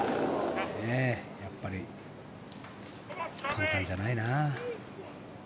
やっぱり簡単じゃないな。